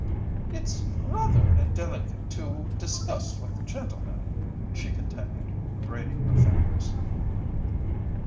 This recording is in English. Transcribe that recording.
"It's rather indelicate to discuss with a gentleman," she continued, braiding her fingers.